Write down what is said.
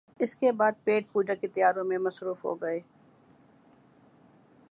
اس کے بعد پیٹ پوجا کی تیاریوں میں مصروف ہو گئے